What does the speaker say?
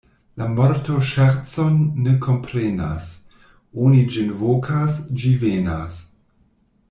La morto ŝercon ne komprenas: oni ĝin vokas, ĝi venas.